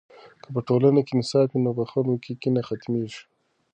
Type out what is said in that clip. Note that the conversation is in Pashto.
که په ټولنه کې انصاف وي نو په خلکو کې کینه ختمېږي.